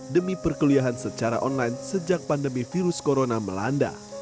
demi perkuliahan secara online sejak pandemi virus corona melanda